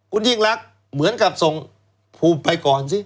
คุณยิ่งรักเหมือนกับส่งภูมิไปก่อนสิ